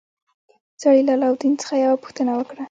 سړي له علاوالدین څخه یوه پوښتنه وکړه.